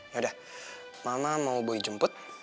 yaudah mama mau boy jemput